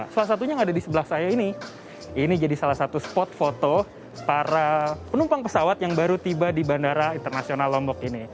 salah satunya yang ada di sebelah saya ini ini jadi salah satu spot foto para penumpang pesawat yang baru tiba di bandara internasional lombok ini